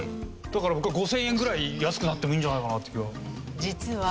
だから５０００円ぐらい安くなってもいいんじゃないかなって気は。